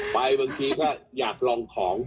บางทีก็อยากลองของ